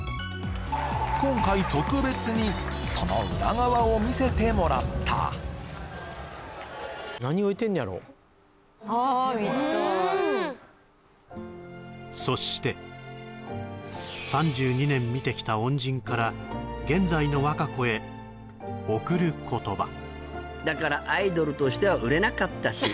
今回特別にその裏側を見せてもらったああ見たいそして３２年見てきた恩人から現在の和歌子へ贈る言葉「だからアイドルとしては売れなかったし」